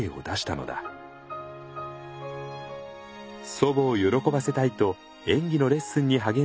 祖母を喜ばせたいと演技のレッスンに励んだ松村さん。